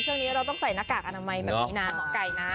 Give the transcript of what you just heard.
ช่วงนี้เราต้องใส่หน้ากากอนามัยแบบนี้นะหมอไก่นะ